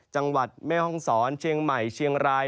จังหวัดแม่ห้องศรเชียงใหม่เชียงราย